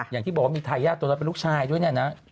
อย่างที่บอกว่ามีไทยย่าตัวนั้นเป็นลูกชายด้วยนะ